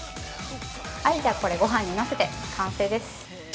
◆これ、ごはんに乗せて、完成です。